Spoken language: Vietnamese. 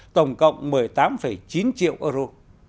tổng cộng một mươi tám chín triệu euro